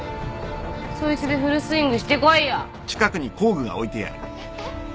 そいつでフルスイングしてこいよ。ハハハ。